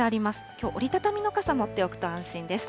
きょう、折り畳みの傘、持っておくと安心です。